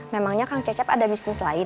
memangnya kang cecep ada bisnis lain